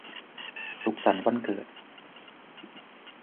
สุขสันต์วันเกิด